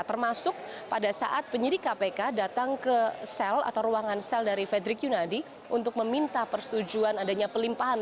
termasuk pada saat penyidik kpk datang ke sel atau ruangan sel dari fredrik yunadi untuk meminta persetujuan adanya pelimpahan